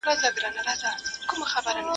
لا تر څو به دي قسمت په غشیو ولي.